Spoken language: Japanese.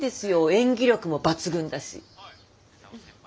演技力も抜群だし。